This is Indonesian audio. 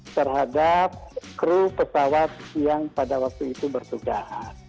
terhadap kru pesawat yang pada waktu itu bertugas